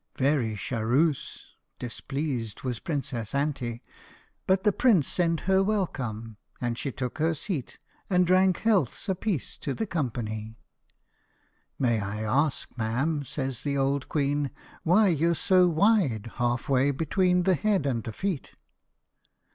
Very sharoose (displeased) was Princess Anty, but the prince sent her welcome, and she took her seat, and drank healths apiece to the company. "May I ask, ma'am?" says the old queen, "why you're so wide half way between the head and the feet?"